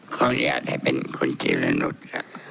ขออนุญาตให้เป็นคุณชีระนุษฎ์ค่ะ